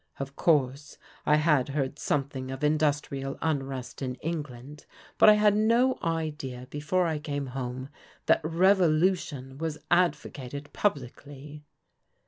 " Of course I had heard something of industrial unrest in England, but I had no idea before I came home that revolution was advocated publicly."